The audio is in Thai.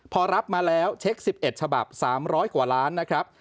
พอรับมาแล้วเช็ค๑๑ฉบับ๓๐๐กว่าล้านนะครับ